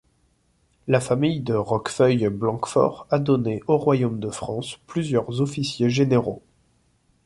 La famille de Roquefeuil Blanquefort a donné au royaume de France plusieurs officiers généraux.